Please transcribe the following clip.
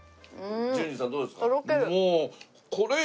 純次さんどうですか？